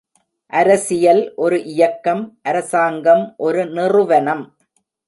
அரசியல் ஒரு இயக்கம் அரசாங்கம் ஒரு நிறுவனம்.